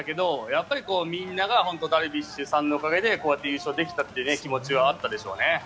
やっぱりみんながダルビッシュさんのおかげでこうやって優勝できたという気持ちはあったでしょうね。